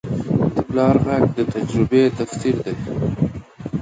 د پلار غږ د تجربې تفسیر دی